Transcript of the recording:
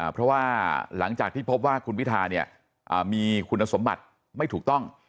เพราะว่าหลังจากที่พบว่าคุณพิธาเนี่ยมีคุณสมบัติไม่ถูกต้อง